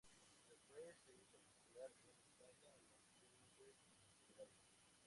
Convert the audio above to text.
Se fue se hizo popular en España en los clubes de baile.